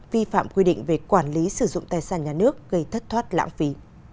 vi phạm quy định về quản lý sử dụng tài sản nhà nước gây thất thoát lãng phí